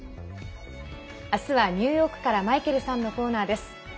あすはニューヨークからマイケルさんのコーナーです。